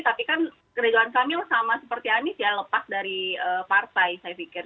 tapi kan ridwan kamil sama seperti anies ya lepas dari partai saya pikir